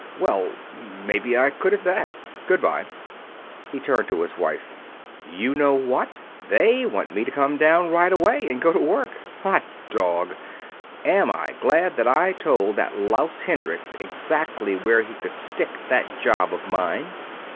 Well, maybe I could, at that.... Goodbye." He turned to his wife. "You know what? They want me to come down right away and go to work. Hot Dog! Am I glad that I told that louse Hendricks exactly where he could stick that job of mine!"